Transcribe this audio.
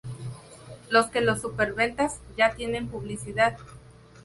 lo que los superventas ya tienen: publicidad.